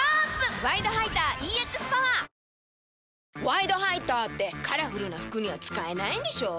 「ワイドハイター」ってカラフルな服には使えないんでしょ？